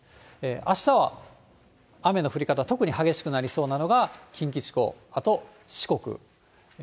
あしたは雨の降り方、特に激しくなりそうなのが近畿地方、あと四国。